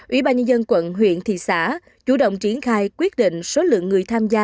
ủy ban nhân dân quận huyện thị xã chủ động triển khai quyết định số lượng người tham gia